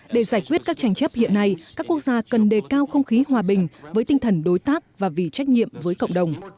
để giải quyết các tranh chấp hiện nay các quốc gia cần đề cao không khí hòa bình với tinh thần đối tác và vì trách nhiệm với cộng đồng